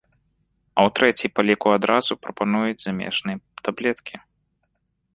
А ў трэцяй па ліку адразу прапануюць замежныя таблеткі.